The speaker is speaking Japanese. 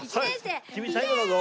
君最後だぞ。